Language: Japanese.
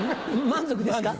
満足ですか？